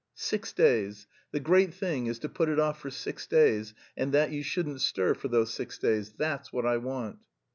"Six days the great thing is to put it off for six days, and that you shouldn't stir for those six days, that's what I want."